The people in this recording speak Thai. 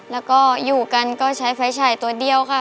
แล้วก็อยู่กันก็ใช้ไฟฉายตัวเดียวค่ะ